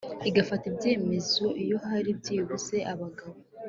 igafata ibyemezo iyo hari byibuze abagbo